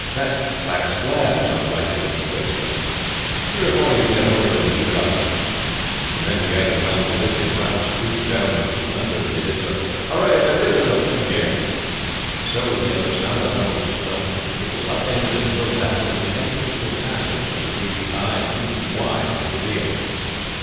That flat slab is a likely looking place, for instance. Three or four of you get hold of it and heave it up." The men gathered round to lift it. Ralph stooped down and peeped under as they did so. "Hurrah!" he shouted, "there is an opening here." Several of the others now got hold of the stone. It was up ended and thrown backward, and the entrance to a passage some three feet high and two feet wide was revealed.